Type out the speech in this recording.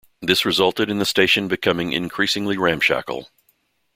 This resulted in the station becoming increasingly ramshackle.